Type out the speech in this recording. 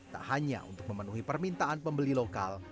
tak hanya untuk memenuhi permintaan pembeli lokal